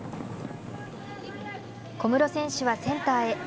小室選手はセンターへ。